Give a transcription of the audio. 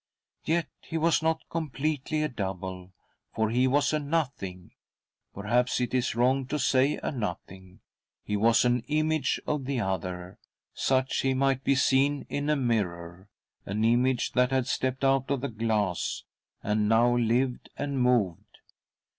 Yet he was not completely a double, for he was a nothing— perhaps it is wrong to say a nothing ; he was an image of the other, such h might be seen in a mirror, an image that had stepped out of the glass, and now lived and moved.